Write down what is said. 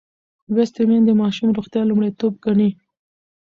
لوستې میندې د ماشوم روغتیا لومړیتوب ګڼي.